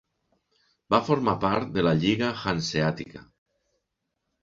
Va formar part de la Lliga Hanseàtica.